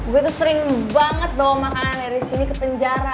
gue tuh sering banget bawa makanan dari sini ke penjara